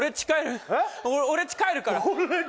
俺っち帰るえっ？